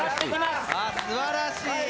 すばらしい。